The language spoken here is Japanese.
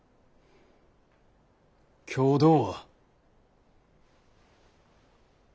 共同は？